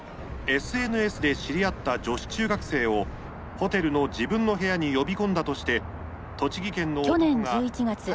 「ＳＮＳで知り合った女子中学生をホテルの自分の部屋に呼び込んだとして栃木県の男が逮捕されました」。